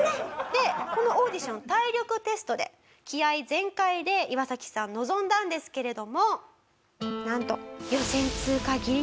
でこのオーディション体力テストで気合全開でイワサキさん臨んだんですけれどもなんと。